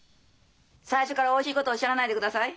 最初からおいしいことおっしゃらないでください。